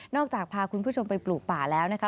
จากพาคุณผู้ชมไปปลูกป่าแล้วนะคะ